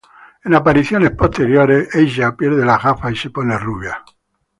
En apariciones posteriores, ella pierde las gafas y se pone rubia.